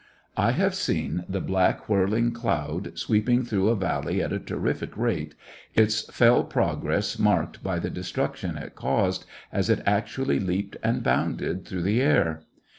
I have seen the black whirling cloud sweep ing through a valley at a terrific rate, its fell progress marked by the destruction it caused, as it actually leaped and bounded through the air.